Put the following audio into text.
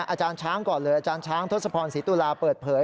อาจารย์ช้างก่อนเลยอาจารย์ช้างทศพรศรีตุลาเปิดเผย